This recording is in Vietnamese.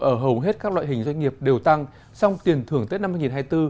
ở hầu hết các loại hình doanh nghiệp đều tăng song tiền thưởng tết năm hai nghìn hai mươi bốn